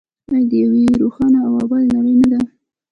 آیا د یوې روښانه او ابادې نړۍ نه ده؟